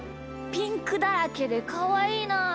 ピンクだらけでかわいいなあ。